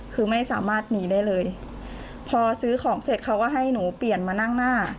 คือไม่สามารถหนีได้เลยพอซื้อของเสร็จเขาก็ให้หนูเปลี่ยนมานั่งหน้า